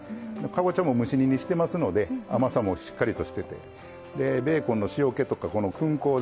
かぼちゃも蒸し煮にしてますので甘さもしっかりとしててでベーコンの塩気とかこの薫香ですよね